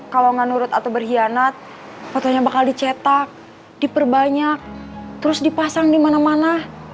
kalau nggak nurut atau berkhianat fotonya bakal dicetak diperbanyak terus dipasang di mana mana